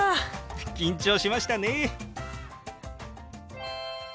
緊張しましたね。